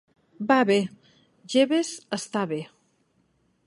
Va bé, Jeeves, està bé.